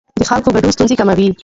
د خلکو ګډون ستونزې کموي